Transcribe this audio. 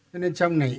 cho nên trong này